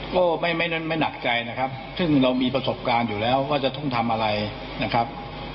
ก็ไม่หนักใจนะครับซึ่งเรามีประสบการณ์อยู่แล้วว่าจะต้องทำอะไรนะครับ